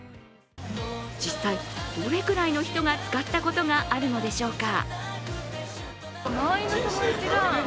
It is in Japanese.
実際どれくらいの人が使ったことがあるのでしょうか。